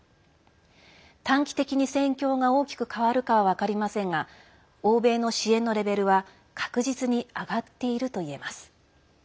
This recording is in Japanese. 短期的に戦況が変わるかは分かりませんが欧米の支援のレベルは確実に上がっているといえます。